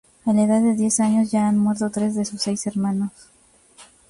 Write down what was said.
A la edad de diez años ya han muerto tres de sus seis hermanos.